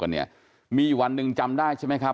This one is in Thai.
วันนี้มีวันหนึ่งจำได้ใช่ไหมครับ